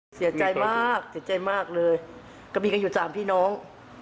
เสียใจมากเสียใจมากเลยก็มีกันอยู่สามพี่น้อง